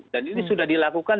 dan ini sudah dilakukan